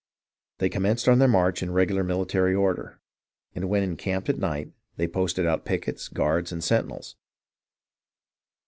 They commenced their march in regular military order, and, when encamped at night, they posted out pickets, guards, and sentinels.